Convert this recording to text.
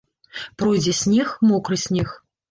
Пройдзе снег, мокры снег.